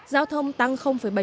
giao thông tăng bảy mươi chín